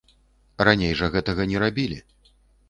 Раней жа гэтага не рабілі.